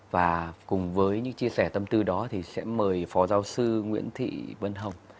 và cùng với những chia sẻ tâm tư đó thì sẽ mời phó giáo sư nguyễn thị vân hồng